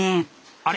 あれ？